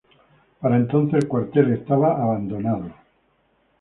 Para entonces, el cuartel estaba abandonado.